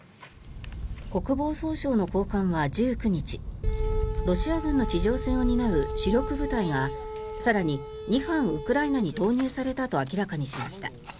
国防総省の高官は１９日ロシア軍の地上戦を担う主力部隊が更に２班、ウクライナに投入されたと明らかにしました。